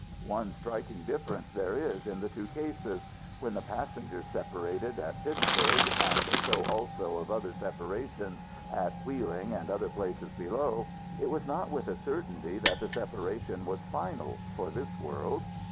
One striking difference there is in the two cases. When the passengers separated at Pittsburg and so also of other separations at Wheeling and other places below it was not with a certainty that the separation was final, for this world.